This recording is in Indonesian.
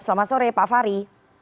selamat sore pak fahri